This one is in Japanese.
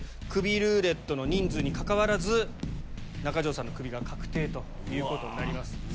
クビルーレットの人数にかかわらず中条さんのクビが確定ということになります。